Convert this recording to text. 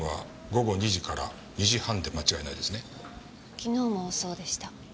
昨日もそうでした。